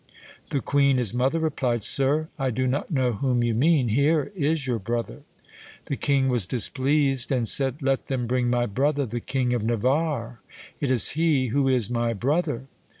The queen, his mother, replied, 'Sir, I do not know whom you mean; here is your brother.' The king was displeased, and said, 'Let them bring my brother the King of Navarre; it is he who is my brother.'